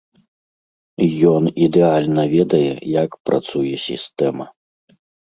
Ён ідэальна ведае, як працуе сістэма.